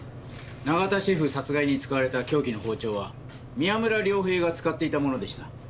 永田シェフ殺害に使われた凶器の包丁は宮村涼平が使っていたものでした。